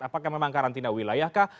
apakah memang karantina wilayah kah